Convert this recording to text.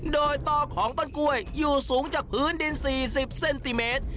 โดยต่อของต้นกล้วยอยู่สูงจากพื้นดิน๔๐เซนติเมตร